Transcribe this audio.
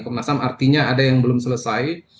komnas ham artinya ada yang belum selesai